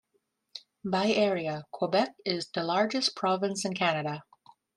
By area, Quebec is the largest province of Canada.